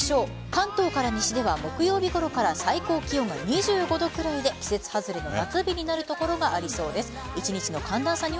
関東から西では木曜日ごろから最高気温が２５度ぐらいで季節外れの夏日になる所がありそうです。